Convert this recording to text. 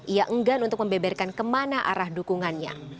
ia enggan untuk membeberkan kemana arah dukungannya